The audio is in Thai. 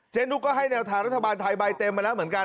นุกก็ให้แนวทางรัฐบาลไทยใบเต็มมาแล้วเหมือนกัน